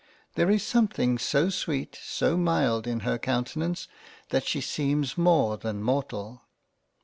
There is something so sweet, so mild in her Countenance, that she seems more than Mortal.